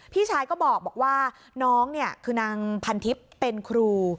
พี่ชายก็บอกว่าน้องเนี่ยคือนางพันทิพย์เป็นครู